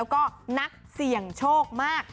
ก็นักเสียงโชคมาก